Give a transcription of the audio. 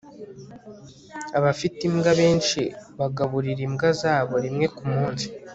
abafite imbwa benshi bagaburira imbwa zabo rimwe kumunsi